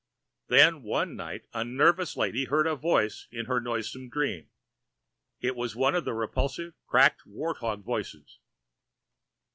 Then one night a nervous lady heard a voice in her noisome dream. It was one of the repulsive cracked wart hog voices.